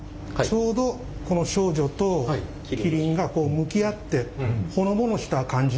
ちょうどこの少女とキリンがこう向き合ってほのぼのした感じ。